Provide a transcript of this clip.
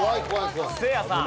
せいやさん。